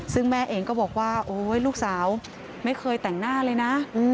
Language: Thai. ซึ่งแม่เองก็บอกว่าโอ๊ยลูกสาวไม่เคยแต่งหน้าเลยนะ